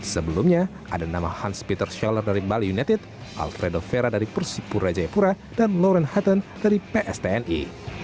sebelumnya ada nama hans peter sheller dari bali united alfredo vera dari persipura jayapura dan lawren hutton dari pstni